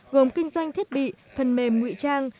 gồm kinh doanh thiết bị thần mềm ngụy trang